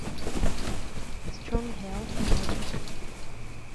Strong hail came with it.